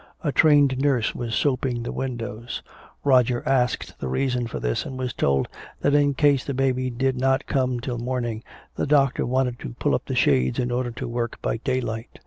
A trained nurse was soaping the windows. Roger asked the reason for this and was told that in case the baby did not come till morning the doctor wanted to pull up the shades in order to work by daylight.